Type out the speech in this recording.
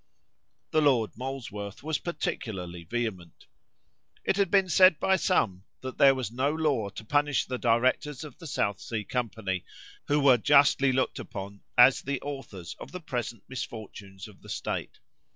The Lord Molesworth was particularly vehement. "It had been said by some, that there was no law to punish the directors of the South Sea company, who were justly looked upon as the authors of the present misfortunes of the state.